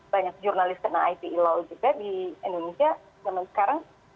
banyak jurnalis kena ipe law juga di indonesia zaman sekarang